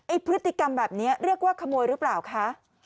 พฤติกรรมแบบนี้เรียกว่าขโมยหรือเปล่าคะ